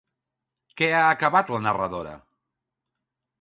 Què ha acabat la narradora?